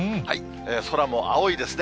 空も青いですね。